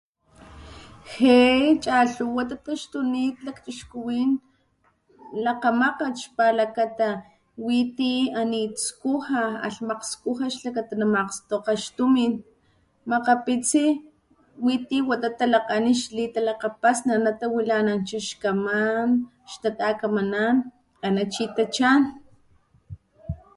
Jé chalhuwa tataxtunit lakchixkuwin lakgamakgat, xpalakata witi anit skuja, alhmakgskuja xkata namakgstokga xtumin, makgapitsi witi wata talakgan xlitalakgapasni ana tawilanancha xkaman, xnatakamanan ana chi tachan.